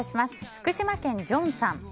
福島県の方。